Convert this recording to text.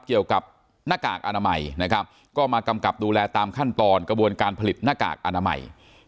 เกี่ยวกับหน้ากากอนามัยนะครับก็มากำกับดูแลตามขั้นตอนกระบวนการผลิตหน้ากากอนามัย